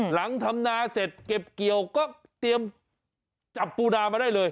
หลังทำนาเสร็จเก็บเกี่ยวก็เตรียมจับปูนามาได้เลย